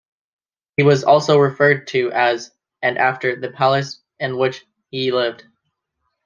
He was also referred to as and after the palace in which he lived.